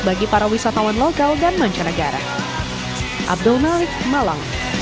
bagi para wisatawan lokal dan mancanegara